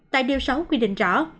tại điều sáu quy định rõ